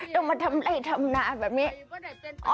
จะมาทำลายธรรมนานแบบเนี้ย